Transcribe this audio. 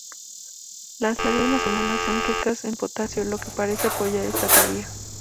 Las lágrimas humanas son ricas en potasio, lo que parece apoyar esta teoría.